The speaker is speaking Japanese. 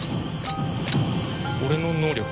俺の能力？